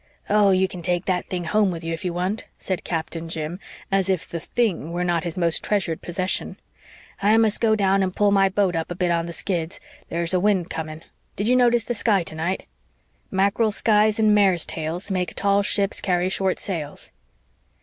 "Oh, you can take that thing home with you if you want to," said Captain Jim, as if the "thing" were not his most treasured possession. "I must go down and pull my boat up a bit on the skids. There's a wind coming. Did you notice the sky tonight? Mackerel skies and mares' tails Make tall ships carry short sails."